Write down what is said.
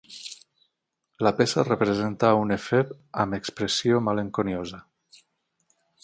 La peça representa a un efeb amb expressió malenconiosa.